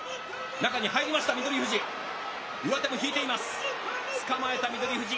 中に入りました翠富士。